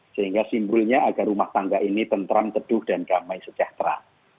sehingga simbolnya agar rumah tangga ini tentram teduh dan damai sejahtera